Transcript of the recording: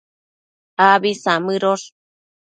Abi samëdosh